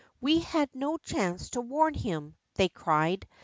We had no chance to warn him,'' they cried.